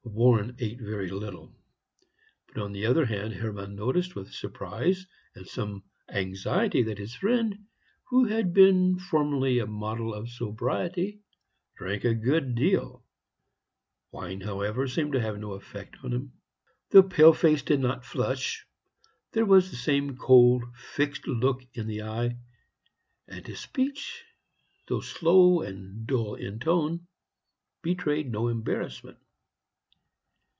Warren ate very little; but, on the other hand, Hermann noticed with surprise and some anxiety that his friend, who had been formerly a model of sobriety, drank a good deal. Wine, however, seemed to have no effect on him. The pale face did not flush; there was the same cold, fixed look in the eye; and his speech, though slow and dull in tone, betrayed no embarrassment.